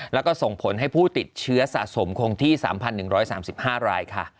แล้วก็ส่งผลให้ผู้ติดเชื้อสะสมคงที่๓๑๓๕รายค่ะ